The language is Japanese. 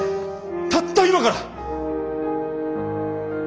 たった今から。